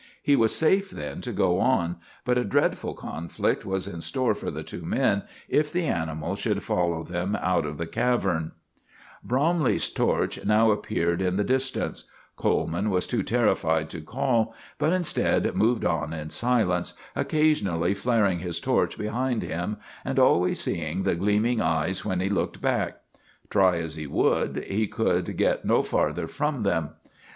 He was safe, then, to go on, but a dreadful conflict was in store for the two men if the animal should follow them out of the cavern. [Illustration: "BEYOND THE ILLUMINATION OF HIS TORCH HE SAW TWO GLEAMING EYES."] Bromley's torch now reappeared in the distance. Coleman was too terrified to call, but instead moved on in silence, occasionally flaring his torch behind him, and always seeing the gleaming eyes when he looked back. Try as he would, he could get no farther from them.